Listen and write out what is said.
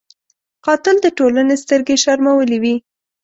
قاتل د ټولنې سترګې شرمولی وي